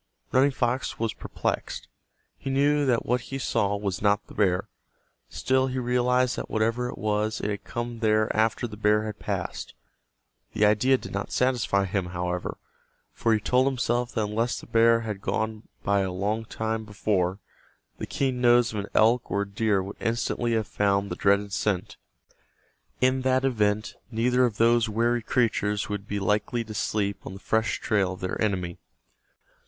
Running Fox was perplexed. He knew that what he saw was not the bear. Still he realized that whatever it was it had come there after the bear had passed. The idea did not satisfy him, however, for he told himself that unless the bear had gone by a long time before, the keen nose of an elk or a deer would instantly have found the dreaded scent. In that event neither of those wary creatures would be likely to sleep on the fresh trail of their enemy.